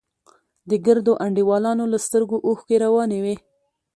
د ګردو انډيوالانو له سترگو اوښکې روانې وې.